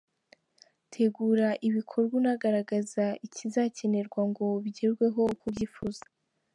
Tegura ibikorwa unagaragaza ikizakenerwa ngo bigerweho uko ubyifuza.